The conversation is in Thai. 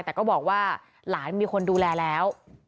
แต่ก็บอกว่าหลานมีคนดูแลแล้ว